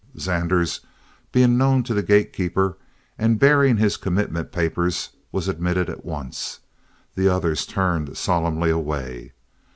Zanders being known to the gate keeper, and bearing his commitment paper, was admitted at once. The others turned solemnly away.